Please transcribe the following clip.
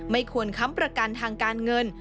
ไม่ควรค้ำประกันทางการเงิน